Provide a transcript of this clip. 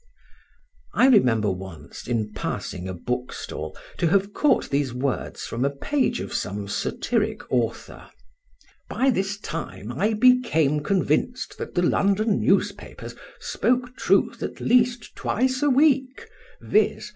I remember once, in passing a book stall, to have caught these words from a page of some satiric author: "By this time I became convinced that the London newspapers spoke truth at least twice a week, viz.